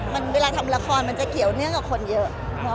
มันเวลาทำละครมันจะเกี่ยวเนื่องกับคนเยอะ